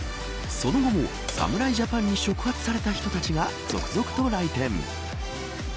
その後も侍ジャパンに触発された人たちが続々と来店。